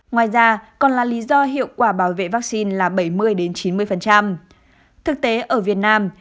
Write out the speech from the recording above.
ngoài ra còn là lý do hiệu quả bảo vệ vaccine là bảy mươi chín mươi thực tế ở việt nam